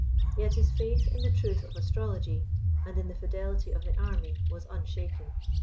Yet his faith in the truth of astrology, and in the fidelity of the army was unshaken.